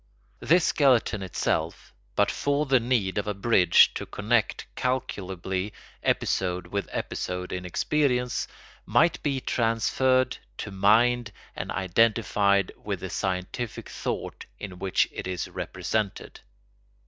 This skeleton itself, but for the need of a bridge to connect calculably episode with episode in experience, might be transferred to mind and identified with the scientific thought in which it is represented.